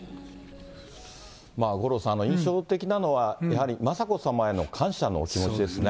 五郎さん、印象的なのは、やはり雅子さまへの感謝のお気持ちですね。